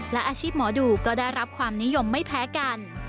และอาชีพหมอดูก็ได้รับความนิยมไม่แพ้กัน